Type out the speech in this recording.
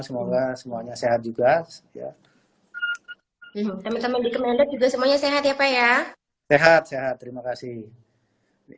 semua semuanya sehat juga ya teman teman juga semuanya sehat ya pak ya sehat sehat terima kasih